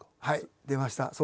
はい出ました。